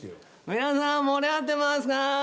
皆さん盛り上がってますか？